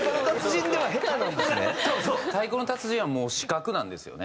『太鼓の達人』はもう視覚なんですよね。